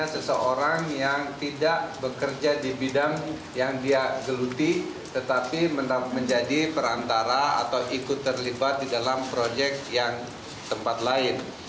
seseorang yang tidak bekerja di bidang yang dia geluti tetapi menjadi perantara atau ikut terlibat di dalam proyek yang tempat lain